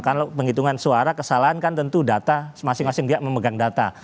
karena kalau penghitungan suara kesalahan kan tentu data masing masing dia memegang data